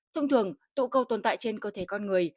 thông thường tụ cầu tồn tại trên cơ thể con người